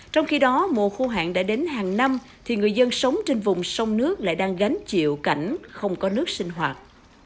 trong khi đó mùa khô hạn đã đến hàng năm thì người dân sống trên vùng sông nước lại đang gánh chịu cảnh không có nước sinh hoạt